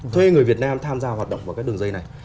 thuê người việt nam tham gia hoạt động vào các đường dây này